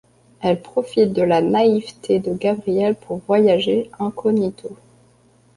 Elle profite de la naïveté de Gabriel pour voyager incognito.